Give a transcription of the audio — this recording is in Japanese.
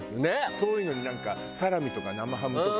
そういうのになんかサラミとか生ハムとか。